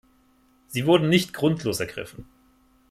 Sie wurden nicht grundlos ergriffen.